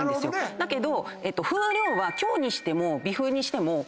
だけど。